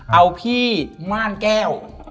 เอาพี่ม่านแก้ว